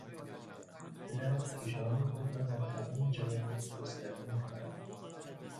درخت ریشههای خود را در تمام جوانب گسترده میکند.